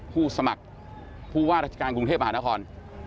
ผู้สมัครผู้ว่าราชการกรุงเทพมหานคร